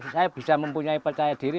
saya bisa mempunyai percaya diri